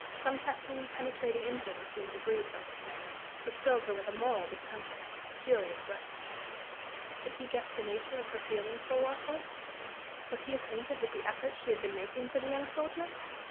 Some testing, penetrating influence seemed to breathe from this man, which filled her with a moral discomfort, a curious restlessness. Did he guess the nature of her feeling for Warkworth? Was he acquainted with the efforts she had been making for the young soldier?